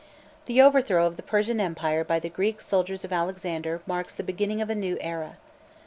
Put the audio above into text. The overthrow of the Persian empire by the Greek soldiers of Alexander marks the beginning of a new era.